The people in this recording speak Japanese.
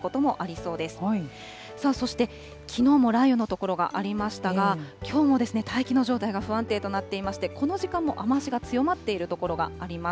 そして、きのうも雷雨の所がありましたが、きょうもですね、大気の状態が不安定となっていまして、この時間も雨足が強まっている所があります。